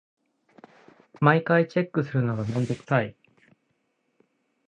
毎回チェックするのめんどくさい。